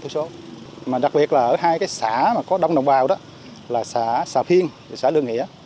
số mà đặc biệt là ở hai cái xã mà có đông đồng bào đó là xã xà phiên xã lương nghĩa